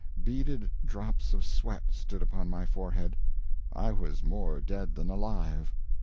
Beaded drops of sweat stood upon my forehead. I was more dead than alive.